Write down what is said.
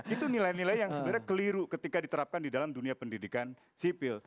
itu nilai nilai yang sebenarnya keliru ketika diterapkan di dalam dunia pendidikan sipil